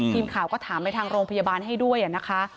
ทีมข่าวก็ถามไปทางโรงพยาบาลให้ด้วยนะคะ